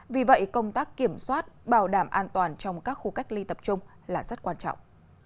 vì vậy công tác kiểm soát bảo đảm an toàn trong các khu cách ly tập trung là rất quan trọng